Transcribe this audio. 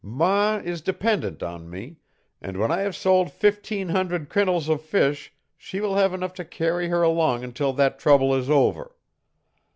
"Ma is dependent on me, and when I have sold fifteen hundred quintals of fish she will have enough to carry her along until that trouble is over.